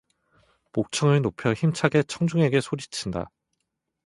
목청을 높여 힘차게 청중에게 소리친다.